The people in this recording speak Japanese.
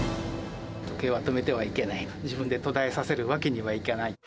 時計は止めてはいけない、自分で途絶えさせるわけにはいかない。